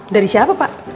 dari siapa pak